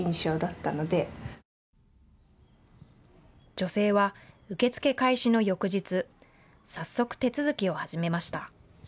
女性は受け付け開始の翌日、早速、手続きを始めました。